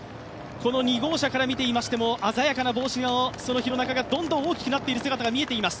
この２号車から見ていましても、鮮やかな帽子の廣中がどんどん大きくなっいる姿が見えています。